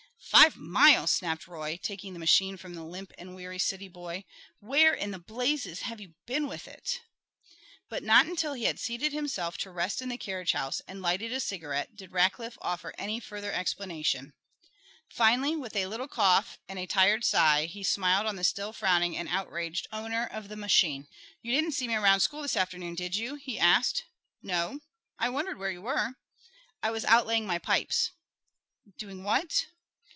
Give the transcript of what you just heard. "Five miles?" snapped Roy, taking the machine from the limp and weary city boy. "Where in blazes have you been with it?" But not until he had seated himself to rest in the carriage house, and lighted a cigarette, did Rackliff offer any further explanation. Finally, with a little cough and a tired sigh, he smiled on the still frowning and outraged owner of the machine. "You didn't see me around school this afternoon, did you?" he asked. "No. I wondered where you were." "I was out laying my pipes." "Doing what?"